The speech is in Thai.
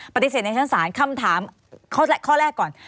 ปฏิเสธในชั้นศาลคำถามข้อแรกก่อน